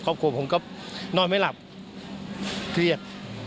ครอบครัวผมก็นอนไม่หลับเครียด